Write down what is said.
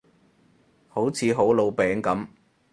好似好老餅噉